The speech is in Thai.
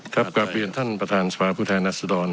ครับความเป็นต้องขออภัยท่านประทานสวทธิ์ผู้แทนัสดร